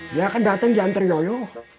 dia kan dateng diantre yoyo